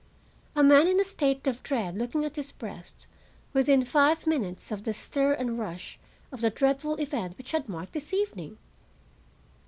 A man in a state of dread looking at his breast, within five minutes of the stir and rush of the dreadful event which had marked this evening!